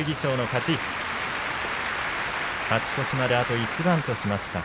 勝ち越しまであと一番としました。